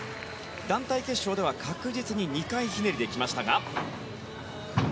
団体決勝では確実に２回ひねりできました。